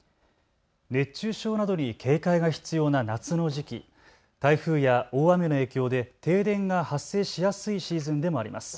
熱中症などに警戒が必要な夏の時期、台風や大雨の影響で停電が発生しやすいシーズンでもあります。